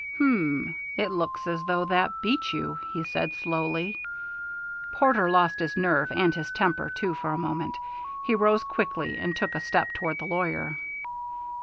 "Hm it looks as though that beat you," he said slowly. Porter lost his nerve and his temper too for a moment. He rose quickly and took a step toward the lawyer.